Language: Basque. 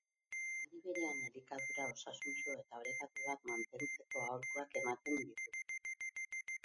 Aldi berean, elikadura osasuntsu eta orekatu bat mantentzeko aholkuak ematen ditu.